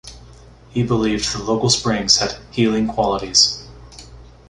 He believed the local springs had healing qualities.